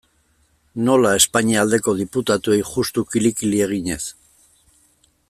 Nola, Espainia aldeko diputatuei juxtu kili-kili eginez?